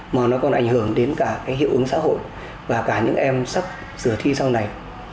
mà nó còn ảnh hưởng đến cả cái hiệu ứng xã hội và cả những em sắp sửa thi sau này